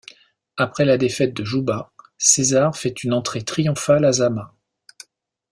Après la défaite de Juba, César fait une entrée triomphale à Zama.